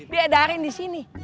diedarin di sini